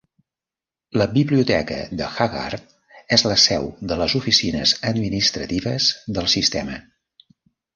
La Biblioteca de Haggard és la seu de les oficines administratives del sistema.